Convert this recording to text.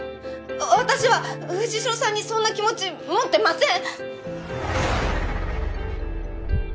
私は藤代さんにそんな気持ち持ってません！